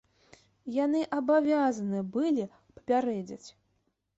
Яны абавязаныя былі папярэдзіць.